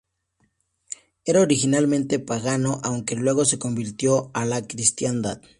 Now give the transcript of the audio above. Era originalmente pagano, aunque luego se convirtió a la cristiandad.